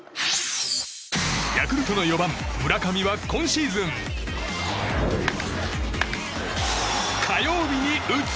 ヤクルトの４番、村上は今シーズン火曜日に打つ！